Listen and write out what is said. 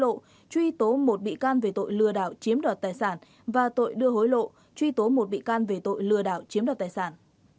cơ quan chức năng truy tố hai mươi ba bị can về tội lừa đảo chiếm đoạt tài sản và tội đưa hối lộ truy tố bốn bị can về tội lừa đảo chiếm đoạt tài sản